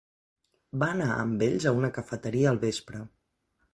Va anar amb ells a una cafeteria al vespre.